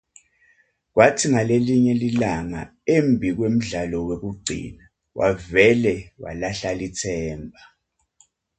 Kwatsi ngalelinye lilanga embi kwemdlalo wekugcina wavele walahla litsemba.